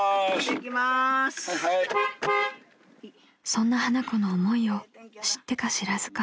［そんな花子の思いを知ってか知らずか］